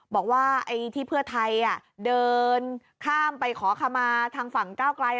บอกว่าไอ้ที่เพื่อไทยเดินข้ามไปขอขมาทางฝั่งก้าวไกล